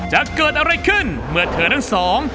จะเกิดอะไรขึ้นเมื่อเธอทั้งสอง